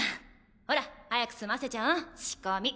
ほら早く済ませちゃお仕込み。